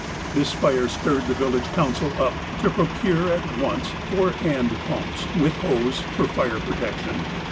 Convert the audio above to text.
This fire stirred the village council up to procure at once four hand pumps, with hose, for fire protection.